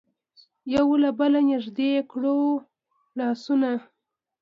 یو له بله نژدې کړي وو لاسونه.